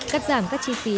cắt giảm các chi phí